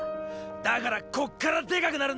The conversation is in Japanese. だからこっからでかくなるんだ！